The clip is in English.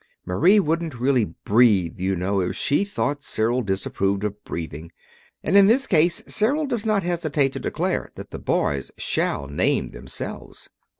Marie wouldn't really breathe, you know, if she thought Cyril disapproved of breathing. And in this case Cyril does not hesitate to declare that the boys shall name themselves."